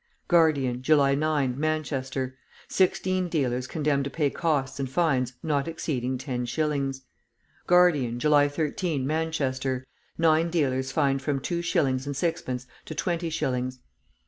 Guardian, July 9, Manchester Sixteen dealers condemned to pay costs and fines not exceeding ten shillings. Guardian, July 13, Manchester. Nine dealers fined from two shillings and sixpence to twenty shillings.